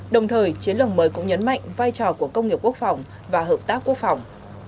đồng thời chiến lược mới cũng nhấn mạnh vai trò của công nghiệp quốc phòng và hợp tác quốc phòng